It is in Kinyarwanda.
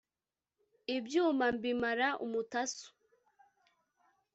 Ibyuma mbimara umutasu